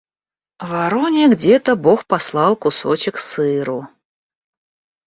Вороне где-то бог послал кусочек сыру;